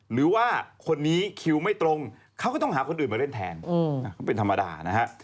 หรือว่าคนนี้คิวไม่ตรงเขาก็ต้องหาคนอื่นมาเล่นแทนเขาเป็นธรรมดานะฮะ